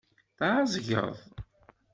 Tɛezgeḍ?